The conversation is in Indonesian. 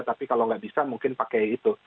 tapi kalau nggak bisa mungkin pakai itu